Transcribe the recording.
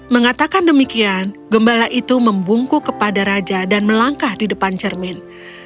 mengatakan demikian gembala itu membungku kepada raja dan melangkah di depan cermin